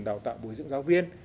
đào tạo bồi dưỡng giáo viên